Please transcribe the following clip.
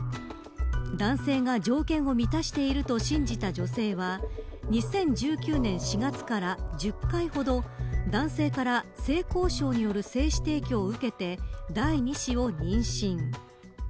男性が条件を満たしていると信じた女性は２０１９年４月から１０回ほど男性から性交渉による精子提供を受けて第２子を妊娠。